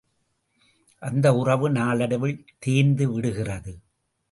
அந்த உறவு நாளடைவில் தேய்ந்து விடுகிறது.